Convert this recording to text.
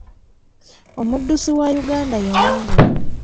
Omuddusi wa Uganda yawangula.